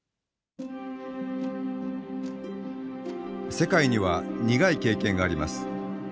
世界には苦い経験があります。